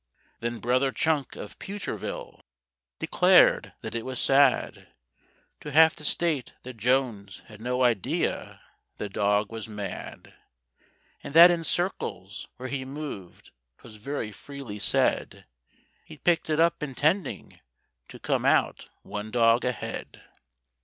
Then Brother Chunk, of Pewterville, declared that it was sad To have to state that Jones had no idea the dog was mad, And that in circles where he moved 'twas very freely said He'd picked it up intending to come out one dog ahead.